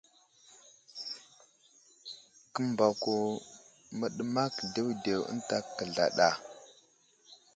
Kəmbako məɗəmak ɗewɗew ənta kəzlaɗ a.